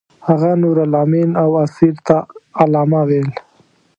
هغه نورالامین او اسیر ته علامه ویل.